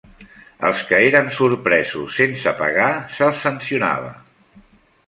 Els que eren sorpresos sense pagar se'ls sancionava.